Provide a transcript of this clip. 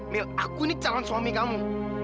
mil aku ini calon suami kamu